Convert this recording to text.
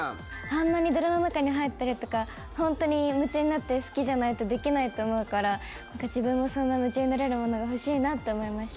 あんなに泥の中に入ったりとかホントに夢中になって好きじゃないとできないと思うから自分もそんな夢中になれるものが欲しいなって思いました。